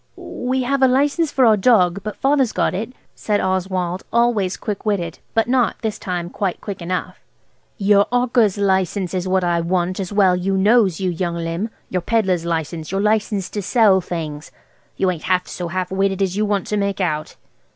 "We have a license for our dog, but Father's got it," said Oswald, always quick witted, but not, this time, quite quick enough. "Your 'awker's license is what I want, as well you knows, you young limb. Your pedlar's license–your license to sell things. You ain't half so half witted as you want to make out."